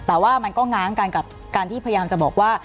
แต่ว่ามันก็ง้างกันกับการที่พยายามจะบอกว่า